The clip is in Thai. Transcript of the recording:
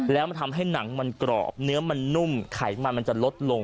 แล้วมันทำให้หนังมันกรอบเนื้อมันนุ่มไขมันมันจะลดลง